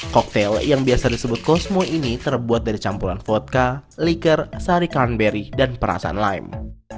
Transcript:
koktel yang biasa disebut cosmo ini terbuat dari campuran vocca liker sari carnberry dan perasan lime